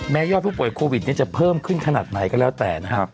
ยอดผู้ป่วยโควิดจะเพิ่มขึ้นขนาดไหนก็แล้วแต่นะครับ